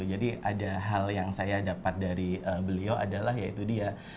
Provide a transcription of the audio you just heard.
jadi ada hal yang saya dapat dari beliau adalah ya itu dia